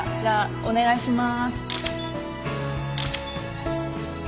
お願いします。